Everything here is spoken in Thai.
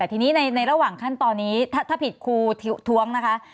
ทีนี้ในระหว่างขั้นตอนนี้ถ้าผิดครูท้วงนะคะ